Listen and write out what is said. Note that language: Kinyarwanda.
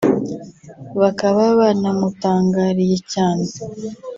bakaba banamutangariye cyane